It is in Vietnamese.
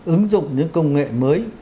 ứng dụng những công nghệ mới